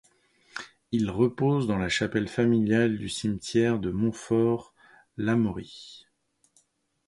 Il repose dans la chapelle familiale du cimetière de Montfort-l'Amaury.